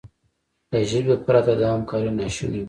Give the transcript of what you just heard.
له ژبې پرته دا همکاري ناشونې وه.